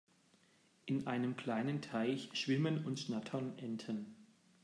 In einem kleinen Teich schwimmen und schnattern Enten.